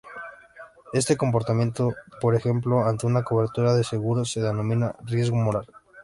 Este comportamiento, por ejemplo, ante una cobertura de seguros se denomina riesgo moral.